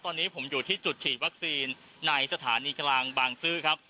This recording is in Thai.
ตอนนี้ผมอยู่ที่จุดฉีดวัคซีนในสถานีกลางบางซื่อครับ